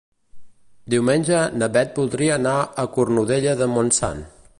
Diumenge na Bet voldria anar a Cornudella de Montsant.